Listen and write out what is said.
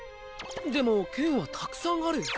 でもけんはたくさんあるよ。